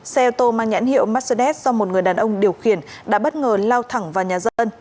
xe ô tô mang nhãn hiệu mercedes do một người đàn ông điều khiển đã bất ngờ lao thẳng vào nhà dân